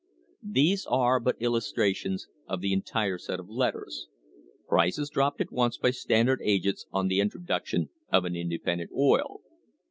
These are but illustrations of the entire set of letters; prices dropped at once by Standard agents on the introduc tion of an independent oil.